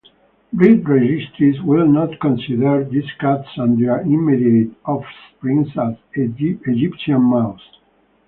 Breed registries will not consider these cats and their immediate offspring as Egyptian Maus.